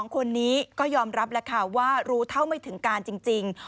๒คนนี้ก็ยอมรับแล้วค่ะว่ารู้เท่าไม่ถึงการจริง